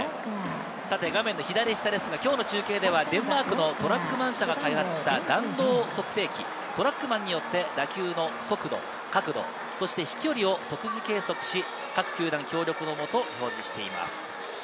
画面の左下、今日の中継ではデンマークのトラックマン社が開発した弾道測定器トラックマンによって、打球の速度、角度、そして飛距離を即時計測し、各球団協力のもと表示しています。